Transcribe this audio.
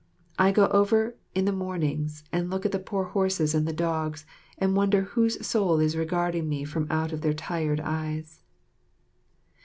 I go over in the morning and look at the poor horses and the dogs, and wonder whose soul is regarding me from out of their tired eyes.